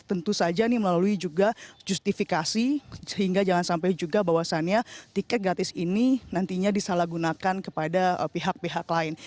tentu saja ini melalui juga justifikasi sehingga jangan sampai juga bahwasannya tiket gratis ini nantinya disalahgunakan kepada pihak pihak lain